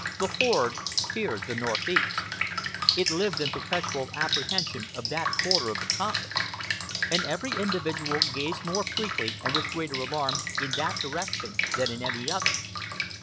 The horde feared the northeast. It lived in perpetual apprehension of that quarter of the compass. And every individual gazed more frequently and with greater alarm in that direction than in any other.